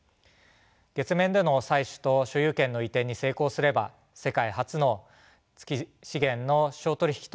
月面での採取と所有権の移転に成功すれば世界初の月資源の商取引となります。